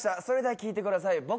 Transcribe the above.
それでは聴いてください。